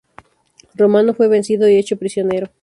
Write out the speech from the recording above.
Romano fue vencido y hecho prisionero.